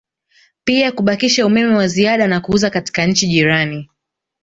Pia kubakisha umeme wa ziada na kuuza katika nchi jirani